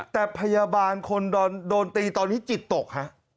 แต่พยาบาลคนโดนตีตอนนี้จิตตกฮะ